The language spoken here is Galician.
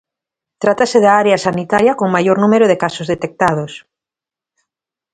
Trátase da área sanitaria con maior número de casos detectados.